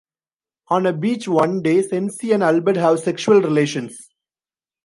On a beach one day, Cenci and Albert have sexual relations.